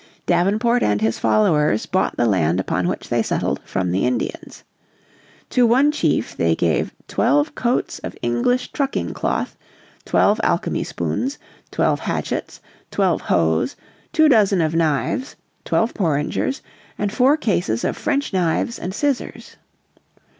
Davenport and his followers bought the land upon which they settled from the Indians. To one chief they gave "twelve coats of English trucking cloth, twelve alchemy spoons, twelve hatchets, twelve hoes, two dozen of knives, twelve porringers, and four cases of French knives and scissors."